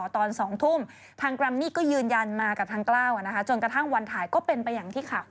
ต้องตอบคำถามมาดูนี่ครับข่าวของพี่ม้าแท้เลยนะฮะ